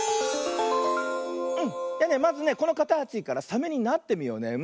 うんまずねこのかたちからサメになってみようね。